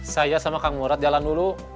saya sama kang murad jalan dulu